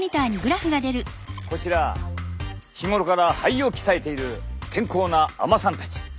こちら日頃から肺を鍛えている健康な海女さんたち。